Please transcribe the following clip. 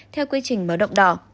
theo quy trình báo động đỏ